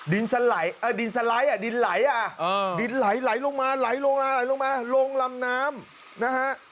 ดินไหลอ่ะดินไหลลงมาลงลำน้ำนะฮะ